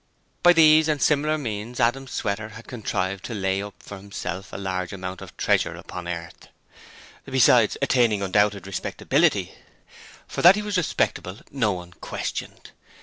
By these and similar means Adam Sweater had contrived to lay up for himself a large amount of treasure upon earth, besides attaining undoubted respectability; for that he was respectable no one questioned.